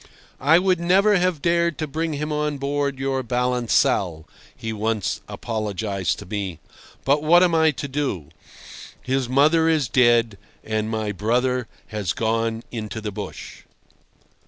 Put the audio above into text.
"I would never have dared to bring him on board your balancelle," he once apologized to me. "But what am I to do? His mother is dead, and my brother has gone into the bush."